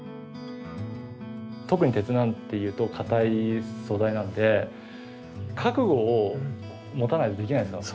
特に鉄なんていうと硬い素材なんで覚悟を持たないとできないんですよ。